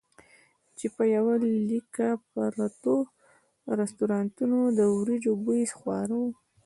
چې په یوه لیکه پرتو رستورانتونو د وریجو بوی خواره وو.